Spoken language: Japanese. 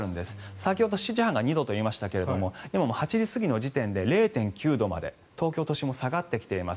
先ほど７時半が２度と言いましたが８時過ぎの時点で０．９度まで東京都心も下がっています。